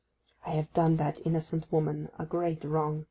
'I have done that innocent woman a great wrong!